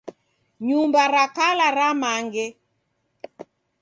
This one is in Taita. Nyumba ra kala ramange.